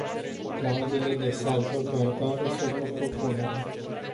Clauzele de salvgardare sunt o propunere.